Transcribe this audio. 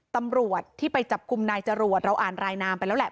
ตำรวจที่ไปจับกลุ่มนายจรวดเราอ่านรายนามไปแล้วแหละ